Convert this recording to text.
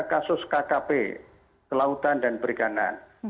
kasus kkp kelautan dan perikanan